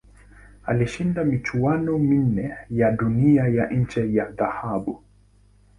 Alishinda michuano minne ya Dunia ya nje ya dhahabu.